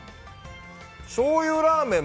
しょうゆラーメン